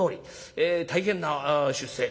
大変な出世。